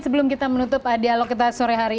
sebelum kita menutup dialog kita sore hari